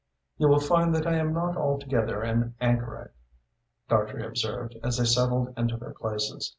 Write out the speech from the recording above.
"You will find that I am not altogether an anchorite," Dartrey observed, as they settled into their places.